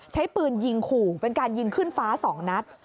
ใช้ปืนยิงขู่เป็นการยิงขึ้นฟ้า๒นัด